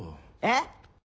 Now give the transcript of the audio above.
えっ？